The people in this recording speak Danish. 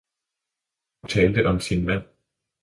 hun talte om sin mand.